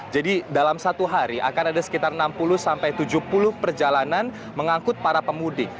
jadi dalam satu hari akan ada sekitar enam puluh sampai tujuh puluh perjalanan mengangkut para pemudi